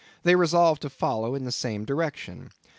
They resolved to follow in the same direction.